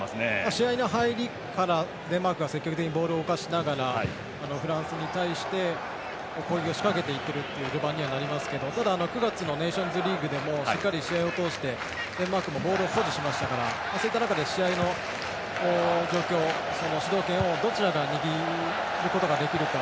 試合の入りからデンマークが積極的にボールを動かしながらフランスに対して攻撃を仕掛けていっている序盤になりますけどただ、９月のネーションズリーグでもしっかり試合を通してデンマークもボールを保持しましたからそういった中で試合の状況主導権をどちらが握ることができるか。